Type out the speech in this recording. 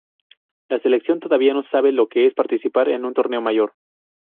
La selección todavía no sabe lo que es participar en un torneo mayor.